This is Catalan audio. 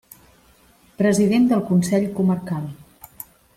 President del Consell Comarcal.